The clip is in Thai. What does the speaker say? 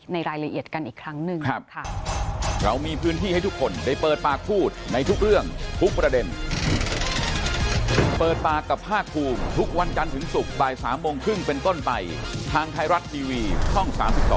ในรายละเอียดกันอีกครั้งหนึ่ง